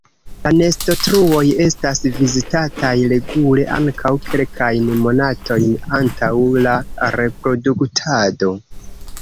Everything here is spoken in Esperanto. La nestotruoj estas vizitataj regule ankaŭ kelkajn monatojn antaŭ la reproduktado.